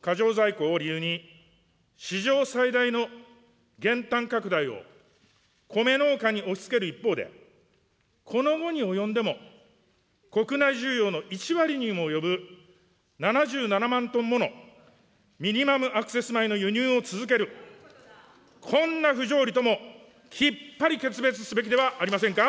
過剰在庫を理由に史上最大の減反拡大をコメ農家に押しつける一方で、この期に及んでも、国内需要の１割にも及ぶ、７７万トンものミニマムアクセス米の輸入を続ける、こんな不条理ともきっぱり決別すべきではありませんか。